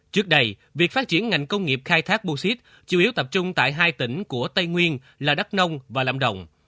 trước đây việc phát triển ngành công nghiệp khai thác bô xít chủ yếu tập trung tại hai tỉnh của tây nguyên là đắk nông và lâm đồng